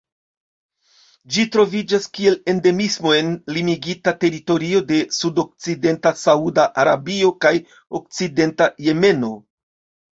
Ĝi troviĝas kiel endemismo en limigita teritorio de sudokcidenta Sauda Arabio kaj okcidenta Jemeno.